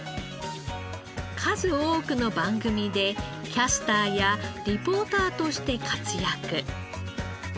数多くの番組でキャスターやリポーターとして活躍。